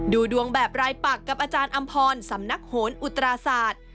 ดูดวงแบบรายปักกับอาจารย์อำพรสำนักโหนอุตราศาสตร์